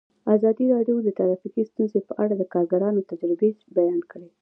ازادي راډیو د ټرافیکي ستونزې په اړه د کارګرانو تجربې بیان کړي.